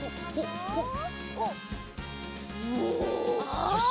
よし！